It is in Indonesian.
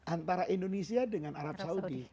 antara indonesia dengan arab saudi